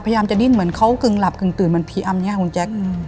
พยายามจะดิ้นเหมือนเขากึ่งหลับกึ่งตื่นเหมือนผีอำเนี่ยคุณแจ๊ค